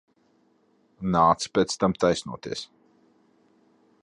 Nāca pēc tam taisnoties.